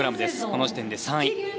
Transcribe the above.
この時点で３位。